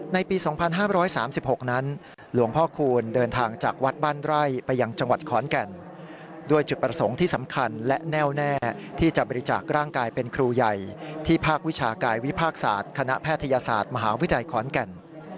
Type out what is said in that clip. ในปี๒๕๓๖นั้นหลวงพ่อคูณเดินทางจากวัดบ้านไร่ไปยังจังหวัดขอนแก่นด้วยจุดประสงค์ที่สำคัญและแน่วแน่ที่จะบริจาคร่างกายเป็นครูใหญ่ที่ภาควิชากายวิภาคศาสตร์คณะแพทยศาสตร์มหาวิทยาลัยขอนแก่น